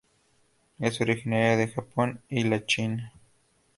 Es originaria de Japón y la China.